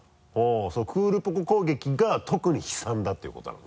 そのクールポコ攻撃が特に悲惨だっていうことなの？